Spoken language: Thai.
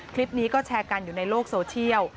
คลิปนี้ก็แชร์กันอยู่ในโลกโซเชียล